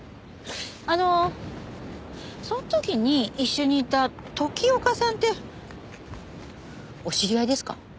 あのその時に一緒にいた時岡さんってお知り合いですか？